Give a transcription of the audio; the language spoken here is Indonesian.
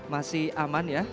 masih aman ya